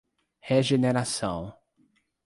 Regeneração